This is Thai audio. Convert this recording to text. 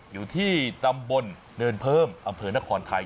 อยู่ที่ตำบลเนินเพิ่มอำเภอนครไทย